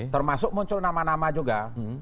termasuk muncul nama nama juga